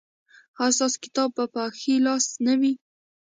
ایا ستاسو کتاب به په ښي لاس نه وي؟